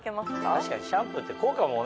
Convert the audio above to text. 確かにシャンプーって効果もね